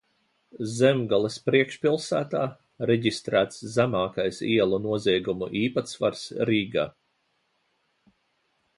Zemgales priekšpilsētā reģistrēts zemākais ielu noziegumu īpatsvars Rīgā.